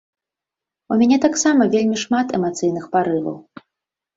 У мяне таксама вельмі шмат эмацыйных парываў.